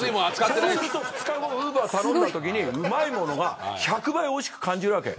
そうすると２日後にウーバー頼んだときにうまいものが１００倍おいしく感じるわけ。